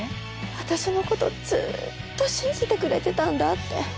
私のことずっと信じてくれてたんだって。